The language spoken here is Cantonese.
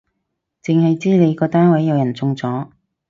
剩係知你個單位有人中咗